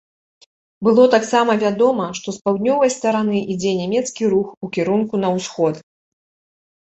Было таксама вядома, што з паўднёвай стараны ідзе нямецкі рух у кірунку на ўсход.